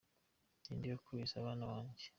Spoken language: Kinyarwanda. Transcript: Ninde wakubise abana banjye?